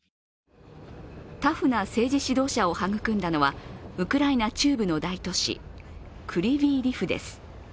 タフな政治指導者を育んだのはウクライナ中部の大都市クリヴィー・リフです。